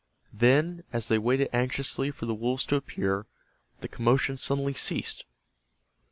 Then, as they waited anxiously for the wolves to appear, the commotion suddenly ceased.